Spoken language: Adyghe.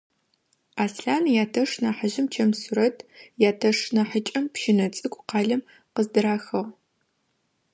Аслъан ятэш нахьыжъым чэм сурэт, ятэш нахьыкӏэм пщынэ цӏыкӏу къалэм къыздырахыгъ.